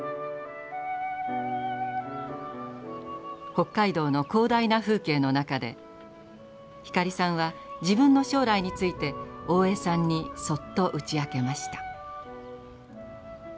北海道の広大な風景の中で光さんは自分の将来について大江さんにそっと打ち明けました。